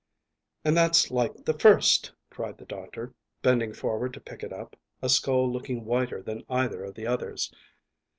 "And that's like the first," cried the doctor, bending forward to pick it up, a skull looking whiter than either of the others.